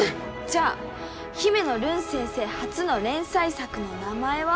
じゃあ姫乃るん先生初の連載作の名前は？